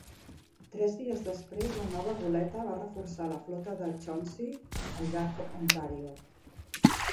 Tres dies després, la nova goleta va reforçar la flota de Chauncey al llac Ontario.